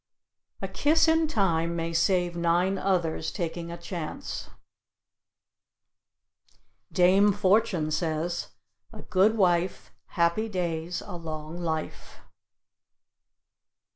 A kiss in time may save nine others taking a chance. Dame Fortune says, "A good wife, Happy days, a long life."